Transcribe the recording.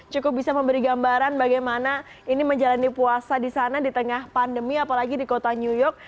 cukup bisa memberi gambaran bagaimana ini menjalani puasa di sana di tengah pandemi apalagi di kota new york